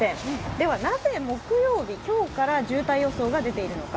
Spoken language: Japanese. ではなぜ木曜日、今日から渋滞予想が出ているのか。